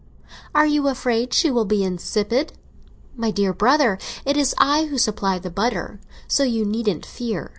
"Are you afraid she will turn insipid? My dear brother, it is I who supply the butter; so you needn't fear!"